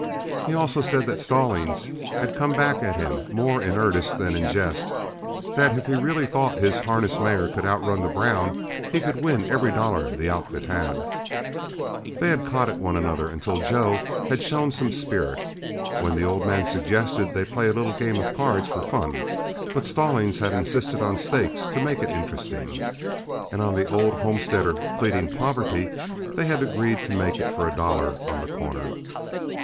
He also said that Stallings had come back at him, more in earnest than in jest, that if he really thought his harness mare could outrun the brown, he could win every dollar the outfit had. They had codded one another until Joe had shown some spirit, when the old man suggested they play a little game of cards for fun, but Stallings had insisted on stakes to make it interesting, and on the old homesteader pleading poverty, they had agreed to make it for a dollar on the corner.